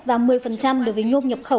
và một mươi đối với nhôm nhập khẩu